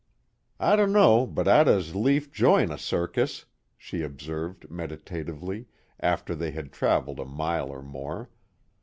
"I dunno but I'd as lief join a circus," she observed, meditatively, after they had traveled a mile or more.